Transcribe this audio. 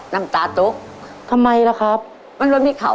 ทำนาข้าวแท้